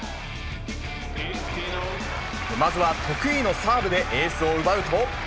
まずは得意のサーブでエースを奪うと。